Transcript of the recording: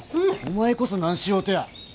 お前こそ何しようとや。